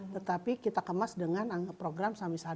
tetapi kita kemas dengan program sama dengan anggaran